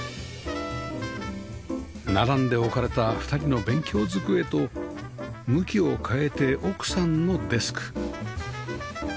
並んで置かれた２人の勉強机と向きを変えて奥さんのデスク